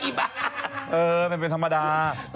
ไอ้บ้าเออมันเป็นธรรมดา